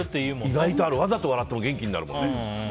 意外とあるわざと笑っても元気になるもんね。